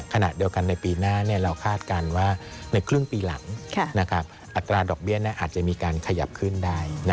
ขณะเดียวกันในปีหน้าเราคาดการณ์ว่าในครึ่งปีหลังอัตราดอกเบี้ยอาจจะมีการขยับขึ้นได้